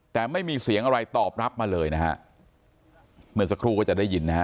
แต่ไม่มีเสียงอะไรตอบรับมาเลยนะฮะเมื่อสักครู่ก็จะได้ยินนะฮะ